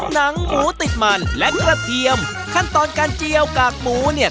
หนังหมูติดมันและกระเทียมขั้นตอนการเจียวกากหมูเนี่ย